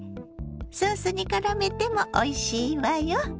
ソースにからめてもおいしいわよ。